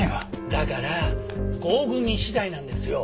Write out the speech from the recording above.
だから合組次第なんですよ。